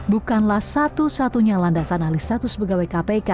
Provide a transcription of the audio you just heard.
bukanlah satu satunya landasan alih status pegawai kpk